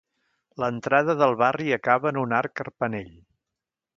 L'entrada del barri acaba en un arc carpanell.